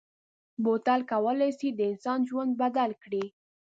بوتل کولای شي د انسان ژوند بدل کړي.